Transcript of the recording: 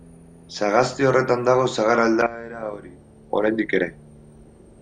Sagasti horretan dago sagar aldaera hori, oraindik ere.